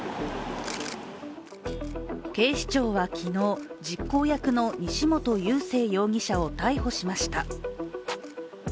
警視庁は昨日、実行役の西本佑聖容疑者を逮捕しました。